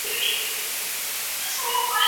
خپل د مينې قلنګ غواړو سوالګر نه يو